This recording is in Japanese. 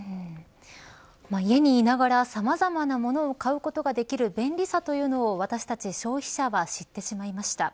家に居ながらさまざまなものを買うことができる便利さをというのを私たち消費者は知ってしまいました。